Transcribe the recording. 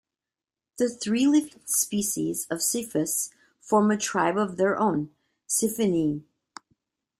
The three living species of "Cepphus" form a tribe of their own: Cepphini.